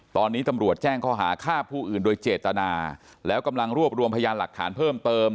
ตอนนี้ตำรวจแจ้งข้อหาฆ่าผู้อื่นโดยเจตนาแล้วกำลังรวบรวมพยานหลักฐานเพิ่มเติม